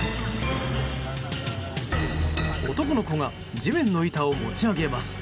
男の子が地面の板を持ち上げます。